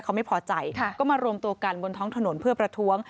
เขาไม่พอใจก็มารวมตัวกันบนท้องถนนเพื่อประท้วง